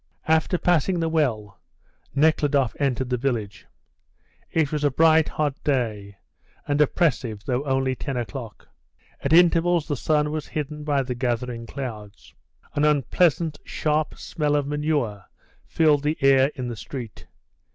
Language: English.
After passing the well Nekhludoff entered the village. It was a bright, hot day, and oppressive, though only ten o'clock. At intervals the sun was hidden by the gathering clouds. An unpleasant, sharp smell of manure filled the air in the street.